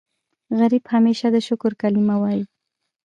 غریب همیشه د شکر کلمه وايي